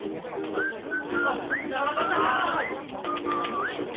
あっ田中さーん！